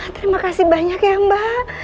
terima kasih banyak ya mbak